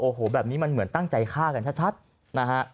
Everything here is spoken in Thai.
โอ้โหแบบนี้มันเหมือนตั้งใจฆ่ากันชัดนะฮะ